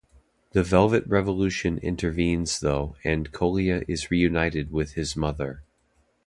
The Velvet Revolution intervenes though, and Kolya is reunited with his mother.